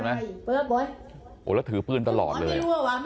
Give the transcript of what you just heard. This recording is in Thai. แล้วถือปืนตลอดเลย